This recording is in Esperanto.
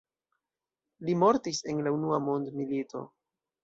Li mortis en la unua mondmilito.